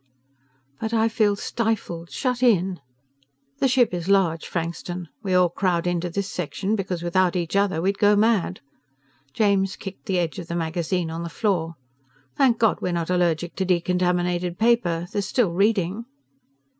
"But I feel stifled, shut in!" "The ship is large, Frankston. We all crowd into this section because, without each other, we'd go mad." James kicked the edge of the magazine on the floor. "Thank God we're not allergic to decontaminated paper. There's still reading."